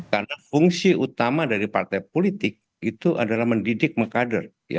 karena fungsi utama dari partai politik itu adalah mendidik mengkader